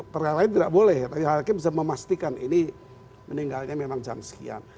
tapi bisa memastikan ini meninggalnya memang jam sekian